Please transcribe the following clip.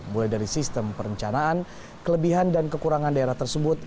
mulai dari sistem perencanaan kelebihan dan kekurangan daerah tersebut